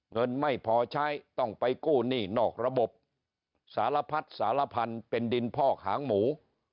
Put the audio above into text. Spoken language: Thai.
เงินไม่พอใช้ต้องไปกู้หนี้นอกระบบสารพัดสารพันธุ์เป็นดินพอกหางหมู